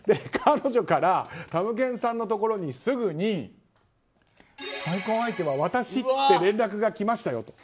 彼女からたむけんさんのところにすぐに再婚相手は私？って連絡が来ましたよ。